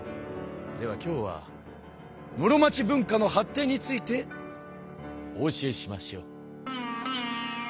では今日は室町文化の発展についてお教えしましょう。